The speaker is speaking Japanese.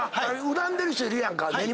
恨んでる人いるやんか。